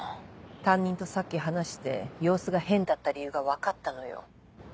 担任とさっき話して様子が変だった理由が分かったのよ。